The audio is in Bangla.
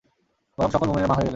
বরং সকল মুমিনের মা হয়ে গেলেন।